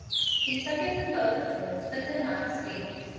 He took it in both of his, but did not speak.